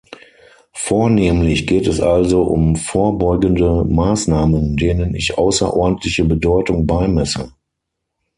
Vornehmlich geht es also um vorbeugende Maßnahmen, denen ich außerordentliche Bedeutung beimesse.